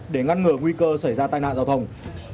để ngăn ngừa nguy cơ xảy ra tai nạn giao thông